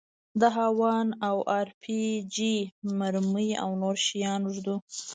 د هاوان او ار پي جي مرمۍ او نور شيان ږدو.